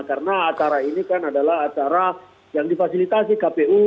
karena acara ini kan adalah acara yang difasilitasi kpu